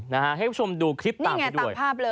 ให้คุณผู้ชมดูคลิปตามไปด้วย